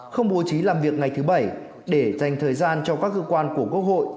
không bố trí làm việc ngày thứ bảy để dành thời gian cho các cơ quan của quốc hội